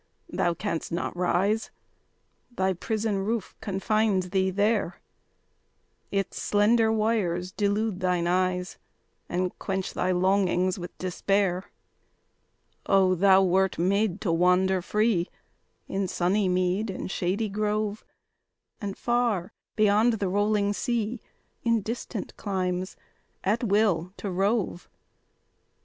Thou canst not rise: Thy prison roof confines thee there; Its slender wires delude thine eyes, And quench thy longings with despair. Oh, thou wert made to wander free In sunny mead and shady grove, And far beyond the rolling sea, In distant climes, at will to rove!